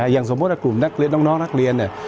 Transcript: อย่างสมมถุจะกลุ่มนักเรียนน้องนักเรียน